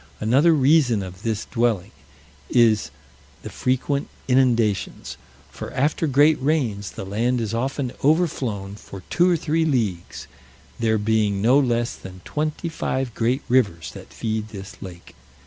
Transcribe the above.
Another reason of this dwelling, is the frequent inundations; for after great rains, the land is often overflown for two or three leagues, there being no less than twenty five great rivers that feed this lake.